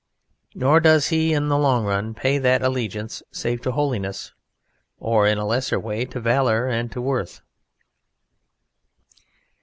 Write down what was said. Nor does he in the long run pay that allegiance save to holiness, or in a lesser way to valour and to worth.